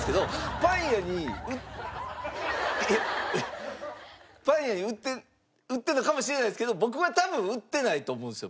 パン屋に売ってるのかもしれないですけど僕は多分売ってないと思うんですよ